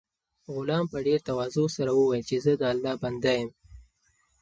غلام په ډېر تواضع سره وویل چې زه د الله بنده یم.